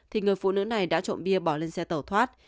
thì người phụ nữ này đã trộm bia bỏ lên xe tẩu thoát